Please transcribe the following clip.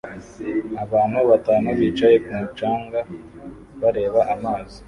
Abantu batanu bicaye ku mucanga bareba amazi